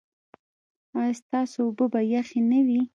ایا ستاسو اوبه به یخې نه وي؟